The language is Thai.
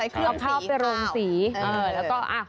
ใช้เครื่องสีข้าวเอาข้าวไปลงสีเออแล้วก็อ่า